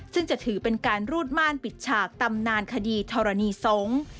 ซึ่งจะถือเป็นการรูดม่านปิดฉากตำนานคดีธรณีสงฆ์